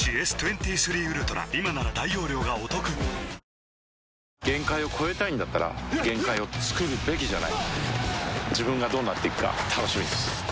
うまダブルなんで限界を越えたいんだったら限界をつくるべきじゃない自分がどうなっていくか楽しみです